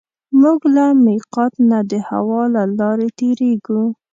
موږ له مېقات نه د هوا له لارې تېرېږو.